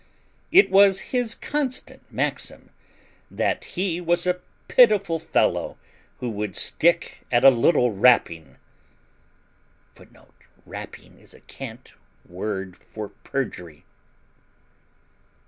It was his constant maxim that he was a pitiful fellow who would stick at a little rapping [Footnote: Rapping is a cant word for perjury.